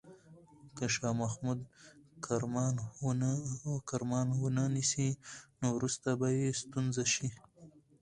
که شاه محمود کرمان ونه نیسي، نو وروسته به یې ستونزه شي.